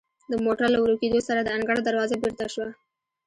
د موټر له ورو کیدو سره د انګړ دروازه بیرته شوه.